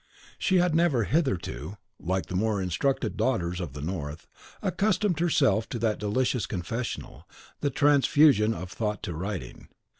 She had never hitherto, like the more instructed Daughters of the North, accustomed herself to that delicious Confessional, the transfusion of thought to writing.